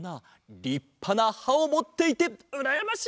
りっぱなはをもっていてうらやましい！